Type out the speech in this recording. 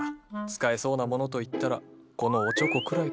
使えそうなものといったらこのおちょこくらいか。